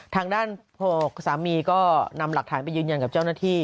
ทางด้านสามีก็นำหลักฐานไปยืนยันกับเจ้าหน้าที่